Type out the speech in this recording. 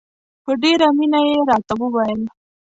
په ډېره مینه یې راته وویل.